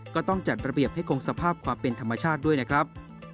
ก็ต้องจัดระเบียบให้คงสภาพความเป็นธรรมชาติด้วยนะครับ